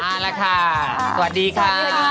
อ้าแล้วค่ะสวัสดีค่ะ